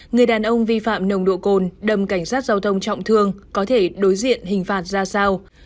người đàn ông vi phạm nồng độ cồn đầm cảnh sát giao thông trọng thương có thể đối diện hình phạt ra sao